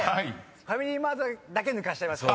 「ファミリーマート」だけ抜かしちゃいました。